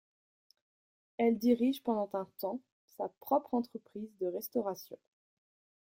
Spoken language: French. Elle dirige pendant un temps sa propre entreprise de restauration.